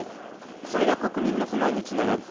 それが国民の不満につながる。